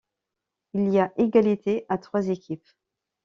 Il y a égalité à trois équipes.